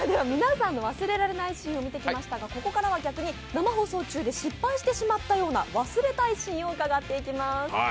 皆さんの忘れられないシーンを見てきましたが、ここからは逆に生放送中に失敗してしまったような忘れたいシーンを御紹介していきます。